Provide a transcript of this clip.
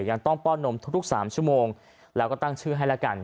ยังต้องป้อนนมทุกสามชั่วโมงแล้วก็ตั้งชื่อให้แล้วกัน